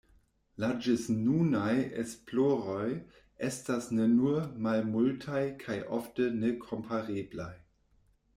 La ĝisnunaj esploroj estas ne nur malmultaj kaj ofte nekompareblaj.